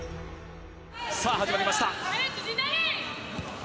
さあ、始まりました。